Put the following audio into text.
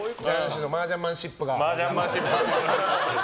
マージャンマンシップが。